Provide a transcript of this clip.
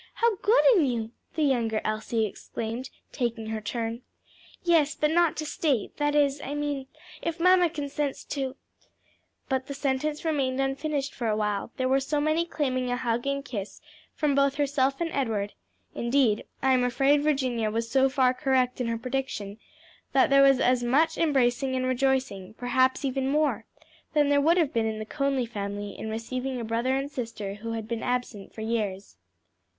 how good in you!" the younger Elsie exclaimed, taking her turn. "Yes, but not to stay; that is, I mean if mamma consents to " But the sentence remained unfinished for awhile, there were so many claiming a hug and kiss from both herself and Edward; indeed I am afraid Virginia was so far correct in her prediction that there was as much embracing and rejoicing, perhaps even more, than there would have been in the Conly family in receiving a brother and sister who had been absent for years.